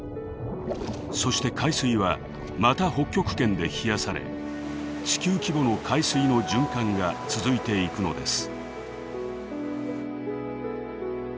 そして海水はまた北極圏で冷やされ地球規模の海水の循環が続いていくのです。